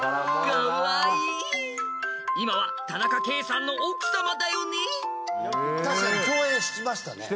［今は田中圭さんの奥さまだよね］